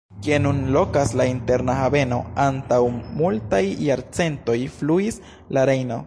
Kie nun lokas la Interna Haveno, antaŭ multaj jarcentoj fluis la Rejno.